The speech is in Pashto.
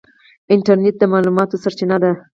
انټرنیټ د معلوماتو سرچینه ده.